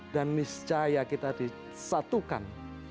dan miscaya kita disatukan